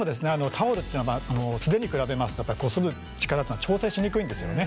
タオルっていうのは素手に比べますとやっぱりこする力っていうのは調整しにくいんですよね。